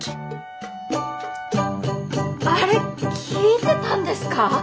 あれ聞いてたんですか！？